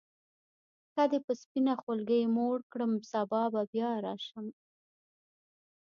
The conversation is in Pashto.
که دي په سپینه خولګۍ موړ کړم سبا بیا راشم.